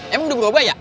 emang udah berubah ya